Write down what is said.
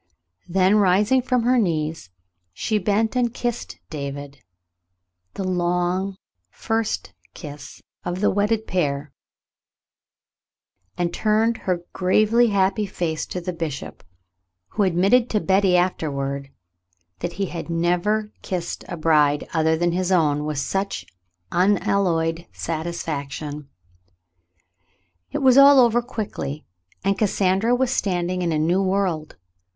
Then, rising from her knees, she bent and kissed David, the long first kiss of the wedded pair, and turned her gravely happy face to the bishop, who admitted to Betty afterward that he had never kissed a bride, other than his own, with such unalloyed satisfaction. It was all over quickly, and Cassandra was standing in a new world.